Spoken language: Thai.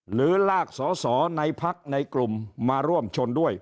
หรือลากสอสอในพักในกลุ่มมาร่วมชนด้วย